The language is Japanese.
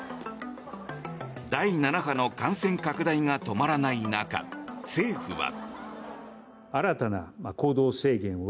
第７波の感染拡大が止まらない中政府は。